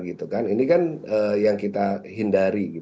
ini kan yang kita hindari